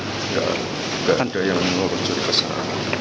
tidak ada yang menurut cerita sama